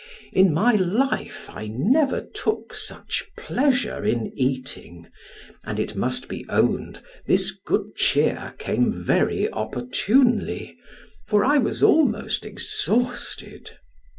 In my life, I never took such pleasure in eating, and it must be owned this good cheer came very opportunely, for I was almost exhausted.